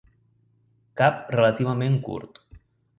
Cap relativament curt.